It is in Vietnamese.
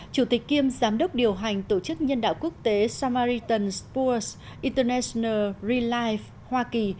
chủ tịch kiêm giám đốc điều hành tổ chức nhân đạo quốc tế samaritan sports international relife hoa kỳ